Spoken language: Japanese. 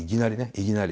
「いぎなり」？